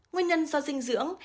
nguyên nhân do dinh dưỡng